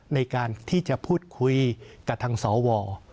ในการที่จะพูดคุยกับทางสว